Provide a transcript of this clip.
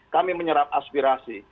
kami menyerap aspirasi